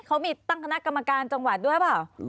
เขามีตั้งคณะกรรมการจังหวัดด้วยเปล่า